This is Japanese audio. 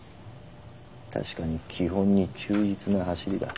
確かに基本に忠実な走りだ。